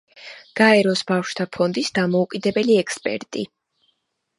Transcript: გაეროს ბავშვთა ფონდის დამოუკიდებელი ექსპერტი.